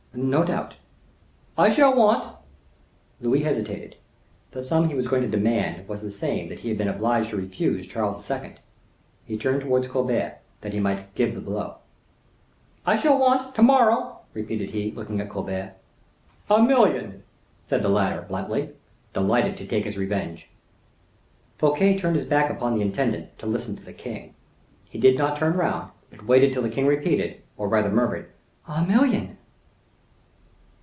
"No doubt." "I shall want—" Louis hesitated. The sum he was going to demand was the same that he had been obliged to refuse Charles II. He turned towards Colbert, that he might give the blow. "I shall want, to morrow—" repeated he, looking at Colbert. "A million," said the latter, bluntly; delighted to take his revenge. Fouquet turned his back upon the intendant to listen to the king. He did not turn round, but waited till the king repeated, or rather murmured, "A million."